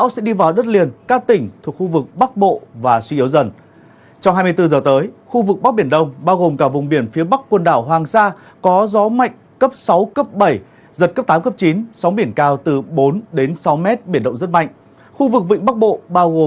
xin chào và hẹn gặp lại trong các bản tin tiếp theo